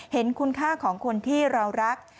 เห็นคุณค่าของคนที่เรารัก